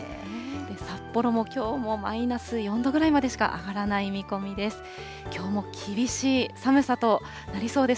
札幌もきょうもマイナス４度ぐらいまでしか上がらない見込みです。